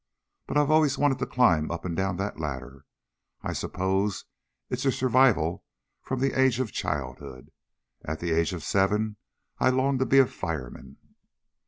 But I've always wanted to climb up and down that ladder. I suppose it's a survival from the age of childhood. At the age of seven I longed to be a fireman."